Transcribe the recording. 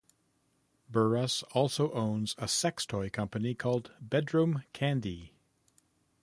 Burruss also owns a sex toy company called "Bedroom Kandi".